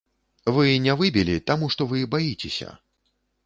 Вы не выбілі, таму што вы баіцеся.